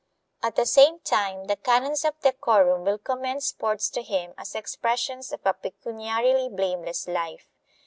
At the same time the canons of decorum will commend sports to him as expressions of a pecuniarily blameless life.